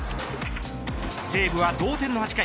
西武は同点の８回。